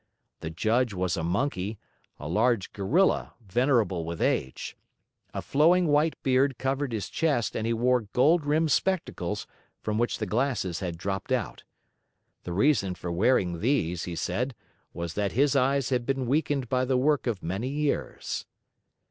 The Judge was a Monkey, a large Gorilla venerable with age. A flowing white beard covered his chest and he wore gold rimmed spectacles from which the glasses had dropped out. The reason for wearing these, he said, was that his eyes had been weakened by the work of many years.